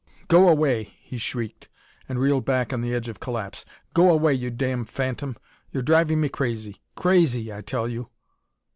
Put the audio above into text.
"Go away!" he shrieked, and reeled back on the edge of collapse. "Go away, you damn phantom! You're driving me crazy crazy, I tell you!"